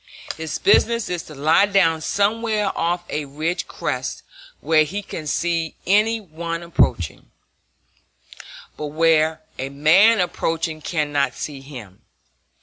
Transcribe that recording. His business is to lie down somewhere off a ridge crest where he can see any one approaching, but where a man approaching cannot see him.